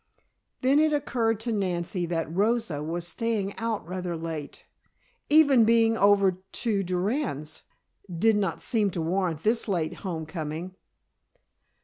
Then it occurred to Nancy that Rosa was staying out rather late. Even being over to Durand's did not seem to warrant this late home coming.